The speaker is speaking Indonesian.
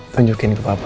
tunjukin ke papa